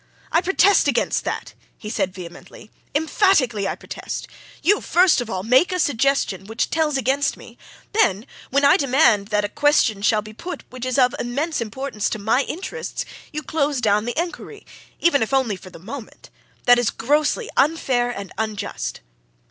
"I protest against that!" he said vehemently. "Emphatically, I protest! You first of all make a suggestion which tells against me then, when I demand that a question shall be put which is of immense importance to my interests, you close down the inquiry even if only for the moment. That is grossly unfair and unjust!"